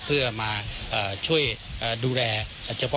เพื่อมาช่วยดูแล